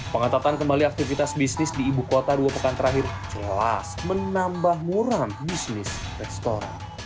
pengetatan kembali aktivitas bisnis di ibu kota dua pekan terakhir jelas menambah muram bisnis restoran